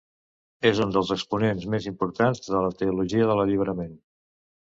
És un dels exponents més importants de la Teologia de l'Alliberament.